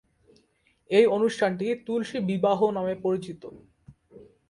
এই অনুষ্ঠানটি তুলসী বিবাহ নামে পরিচিত।